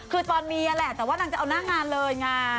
คือตอนมีแหละแต่ว่านางจะเอาหน้างานเลยไง